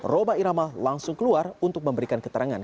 roba irama langsung keluar untuk memberikan keterangan